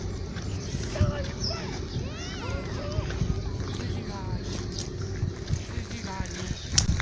ひつじがにひき。